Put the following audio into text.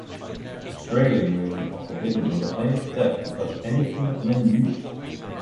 Australian women are forbidden under pain of death to touch anything that men use.